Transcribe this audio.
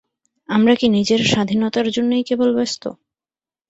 আমরা কি নিজের স্বাধীনতার জন্যেই কেবল ব্যস্ত?